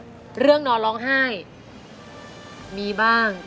อยู่ให้แข็งแรงอยู่ให้มีความสุข